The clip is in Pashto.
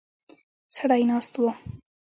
سړی ناست و.